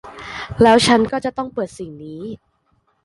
แล้วฉันก็จะต้องเปิดสิ่งนี้